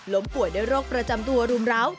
ป่วยด้วยโรคประจำตัวรุมร้าว